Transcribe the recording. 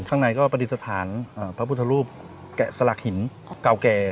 ข้างในก็ปฏิสถานพระพุทธรูปแกะสลักหินเก่าแก่